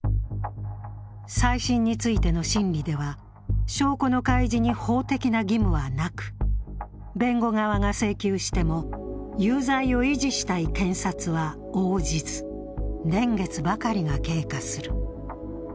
再審についての審理では、証拠の開示に法的な義務はなく、弁護側が請求しても、有罪を維持したい検察は応じず、年月ばかりが経過する。